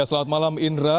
selamat malam indra